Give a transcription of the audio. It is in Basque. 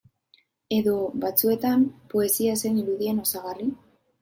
Edo, batzuetan, poesia zen irudien osagarri?